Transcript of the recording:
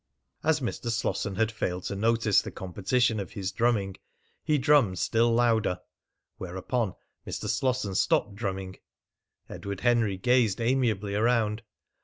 As Mr. Slosson had failed to notice the competition of his drumming, he drummed still louder. Whereupon Mr. Slosson stopped drumming. Edward Henry gazed amiably around.